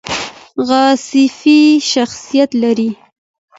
غلسفي شخصیت لري .